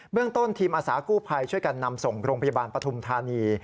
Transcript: เรื่องต้นทีมอาสากู้ภัยช่วยกันนำส่งโรงพยาบาลปฐุมธานี